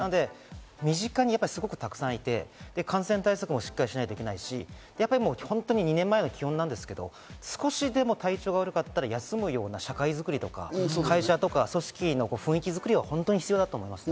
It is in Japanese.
身近にたくさんいて、感染対策もしっかりしないといけないし、本当に２年前の基本なんですけれども、少しでも体調が悪かったら休むような社会づくりとか、会社とか組織の雰囲気作りが本当に必要だと思います。